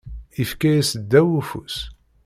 Yefka -yas ddaw ufus.